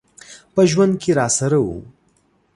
په ژوند کي راسره و .